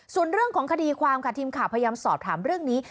ส่วนเรื่องของคดีความค่ะทีมข่าวพยายามสอบถามเรื่องนี้